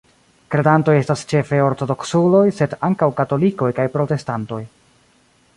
Kredantoj estas ĉefe ortodoksuloj, sed ankaŭ katolikoj kaj protestantoj.